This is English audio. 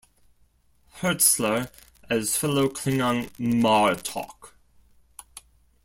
Hertzler as fellow Klingon Martok.